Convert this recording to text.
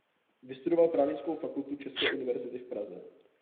Vystudoval Právnickou fakultu české univerzity v Praze.